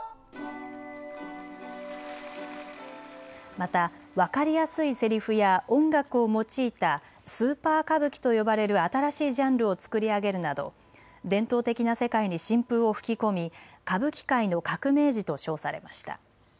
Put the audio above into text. また分かりやすいせりふや音楽を用いたスーパー歌舞伎と呼ばれる新しいジャンルを作り上げるなど伝統的な世界に新風を吹き込み歌舞伎界の革命児と称されました。